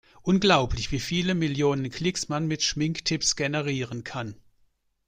Unglaublich, wie viele Millionen Klicks man mit Schminktipps generieren kann!